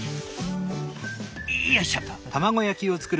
よいしょっと。